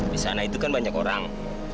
di sana itu kan banyak orang